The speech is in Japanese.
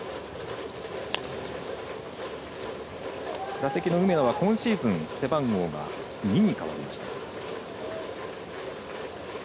打席の梅野は今シーズン背番号が２に変わりました。